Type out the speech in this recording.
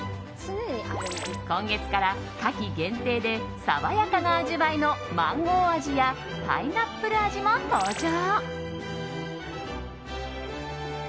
今月から夏季限定で爽やかな味わいのマンゴー味やパイナップル味も登場。